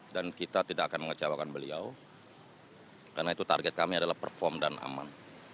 dan kita tidak akan mengecewakan beliau karena itu target kami adalah perform dan aman